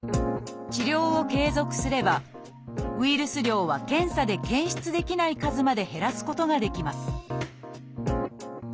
治療を継続すればウイルス量は検査で検出できない数まで減らすことができます